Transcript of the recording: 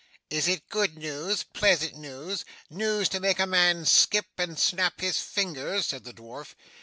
'Is it good news, pleasant news, news to make a man skip and snap his fingers?' said the dwarf.